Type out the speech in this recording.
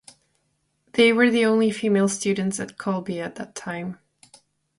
They were the only female students at Colby at that time.